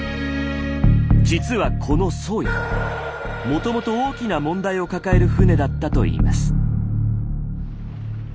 実はこの「宗谷」もともと大きな問題を抱える船だったといいます。